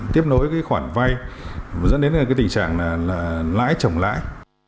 tiếp nối cái khoản vay dẫn đến cái tình trạng là lãi trồng lãi